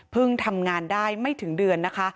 ทำงานได้ไม่ถึงเดือนนะคะ